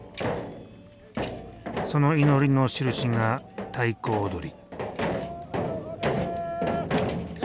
その祈りのしるしが太鼓踊り。